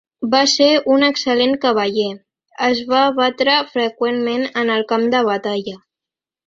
Va ser un excel·lent cavaller, es va batre freqüentment en el camp de batalla.